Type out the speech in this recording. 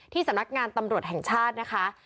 สำนักงานตำรวจแห่งชาตินะคะ